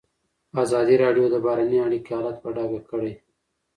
ازادي راډیو د بهرنۍ اړیکې حالت په ډاګه کړی.